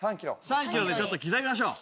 ３キロでちょっと刻みましょう。